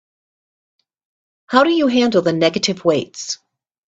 How do you handle the negative weights?